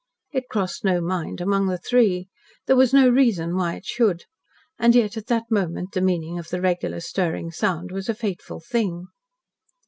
It crossed no mind among the three. There was no reason why it should. And yet at that moment the meaning of the regular, stirring sound was a fateful thing.